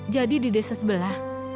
jadi di desa sebelah